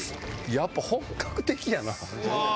やっぱ本格的やなうわ